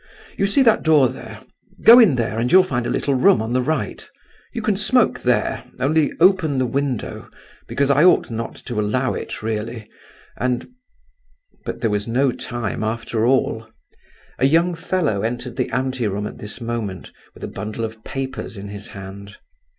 You see that door there? Go in there and you'll find a little room on the right; you can smoke there, only open the window, because I ought not to allow it really, and—." But there was no time, after all. A young fellow entered the ante room at this moment, with a bundle of papers in his hand.